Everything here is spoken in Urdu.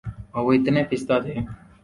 اور وہ اتنے پستہ تھے